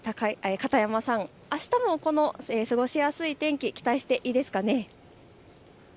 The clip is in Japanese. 片山さん、あしたもこの過ごしやすい天気、期待していいですかね。